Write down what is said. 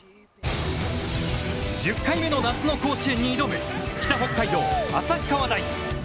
１０回目の夏の甲子園に挑む北北海道・旭川大。